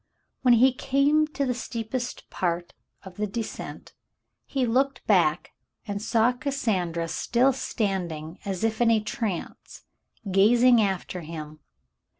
When he came to the steepest part of the descent, he looked back and saw Cassandra still standing as if in a trance, gazing after him.